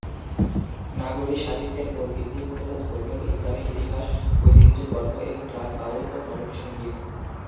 নাগরী সাহিত্যের মূল ভিত্তি মূলত ধর্মীয়, ইসলামী ইতিহাস, ঐতিহ্য, গল্প এবং রাগ, বাউল এবং মরমী সংগীত।